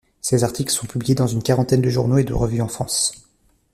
Ses articles sont publiés dans une quarantaine de journaux et de revues en France.